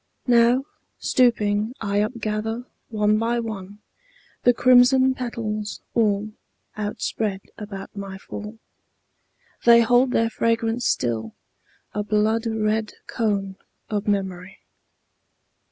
Now, stooping, I upgather, one by one, The crimson petals, all Outspread about my fall. They hold their fragrance still, a blood red cone Of memory.